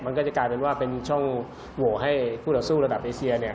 มันก็จะกลายเป็นว่าเป็นช่องโหวตให้คู่ต่อสู้ระดับเอเซียเนี่ย